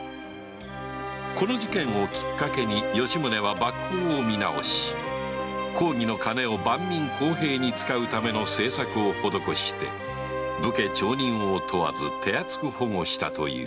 この事件をきっかけに吉宗は幕法を見直し公儀の金を万民公平に使うための政策を施して武家町人を問わず手厚く保護したという